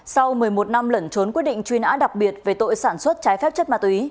sau một mươi một năm lẩn trốn quyết định truy nã đặc biệt về tội sản xuất trái phép chất ma túy